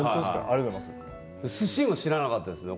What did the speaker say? すしは知らなかったですね。